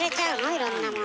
いろんなものを。